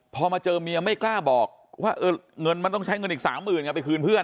พอมาเจอเมียไม่กล้าบอกว่าเงินมันต้องใช้เงินอีก๓๐๐๐ไงไปคืนเพื่อน